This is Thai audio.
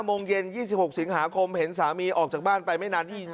โมงเย็น๒๖สิงหาคมเห็นสามีออกจากบ้านไปไม่นาน